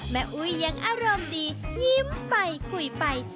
อุ้ยยังอารมณ์ดียิ้มไปคุยไป